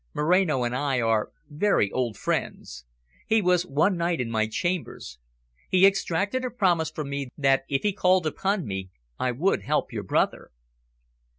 "Moreno and I are very old friends. He was one night in my chambers. He extracted a promise from me that, if he called upon me, I would help your brother."